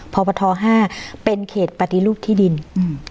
พบทห้าเป็นเขตปฏิรูปที่ดินอืม